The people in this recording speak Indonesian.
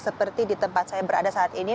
seperti di tempat saya berada saat ini